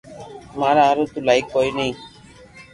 ماري ھارون تو لائق ڪوئي ني